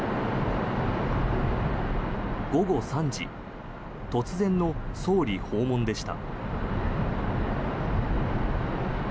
午後３時突然の総理訪問でした。